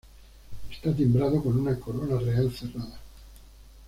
Está timbrado con una corona real cerrada.